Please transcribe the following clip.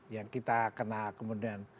yang kita kenal kemudian